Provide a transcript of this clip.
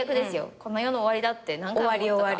この世の終わりだって何回思ったか。